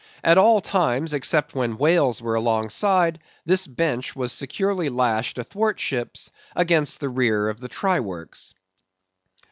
At all times except when whales were alongside, this bench was securely lashed athwartships against the rear of the Try works.